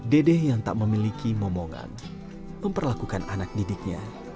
dede yang tak memiliki momongan memperlakukan anak didiknya